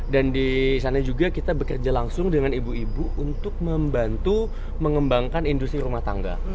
dan di sana juga kita bekerja langsung dengan ibu ibu untuk membantu mengembangkan industri rumah tangga